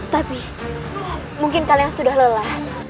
tapi mungkin kalian sudah lelah